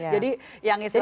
jadi yang istilahnya